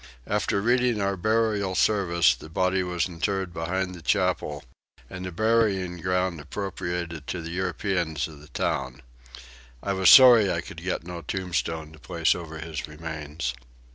After reading our burial service the body was interred behind the chapel, in the burying ground appropriated to the Europeans of the town. I was sorry I could get no tombstone to place over his remains.